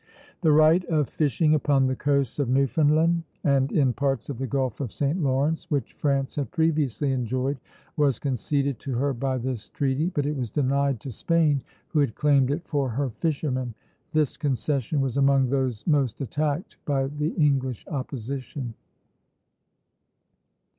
The right of fishing upon the coasts of Newfoundland and in parts of the Gulf of St. Lawrence, which France had previously enjoyed, was conceded to her by this treaty; but it was denied to Spain, who had claimed it for her fishermen. This concession was among those most attacked by the English opposition.